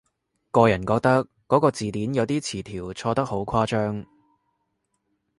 個人覺得嗰個字典有啲詞條錯得好誇張